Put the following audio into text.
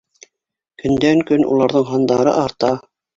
Көндән-көн уларҙың һандары арта.